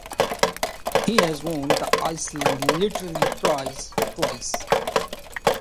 He has won the Icelandic Literary Prize twice.